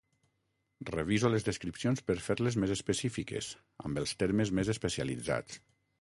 Reviso les descripcions per fer-les més específiques, amb els termes més especialitzats.